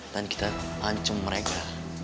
dan kita pancung mereka